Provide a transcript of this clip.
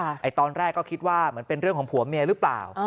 ไอ้ตอนแรกก็คิดว่าเหมือนเป็นเรื่องของผัวเมียหรือเปล่า